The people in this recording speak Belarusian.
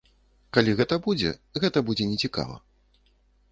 Калі гэта будзе, гэта будзе нецікава.